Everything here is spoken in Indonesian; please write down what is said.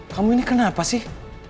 kamu ini kenapa sih